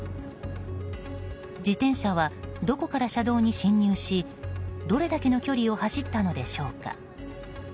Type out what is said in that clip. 自転車はどこから車道に侵入しどれだけの距離を走ったのでしょうか。